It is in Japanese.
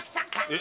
え？